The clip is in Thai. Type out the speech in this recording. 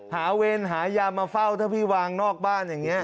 เวรหายามาเฝ้าถ้าพี่วางนอกบ้านอย่างนี้